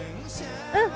うん。